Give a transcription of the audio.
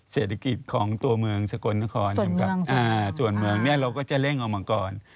เศรษฐกิจของตัวเมืองสกลนครส่วนเมืองเนี่ยเราก็จะเร่งเอามาก่อน